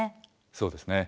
そうですね。